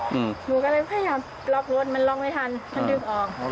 หนูก็เลยพยายามล็อกรถมันล็อกไม่ทันมันดึงออก